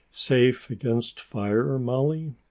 "Safe against fire, Molly?"